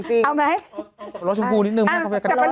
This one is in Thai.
จักรกลดชมพูนิดนึงค่ะคะเวเกอร์กาเดรอ